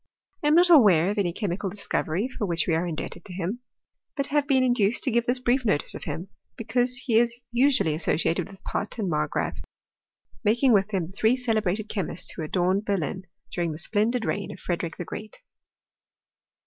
I am not aware of any chemical discovery fir which we are indebted to him ; but have been in duced to give this brief notice of him, because he is Qiually associated with Pott and Margpraaf, making irith them the three celebrated chemists who adorned Berlin, during the splendid reign of Frederick the Oreat.